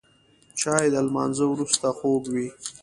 چای د لمانځه وروسته خوږ وي